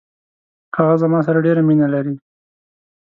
هغه زما سره ډیره مینه لري.